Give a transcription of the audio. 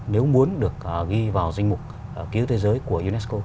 nếu muốn được ghi vào danh mục cứu thế giới của unesco